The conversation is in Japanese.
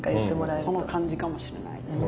その感じかもしれないですね。